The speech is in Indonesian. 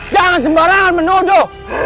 jangan sembarangan menodo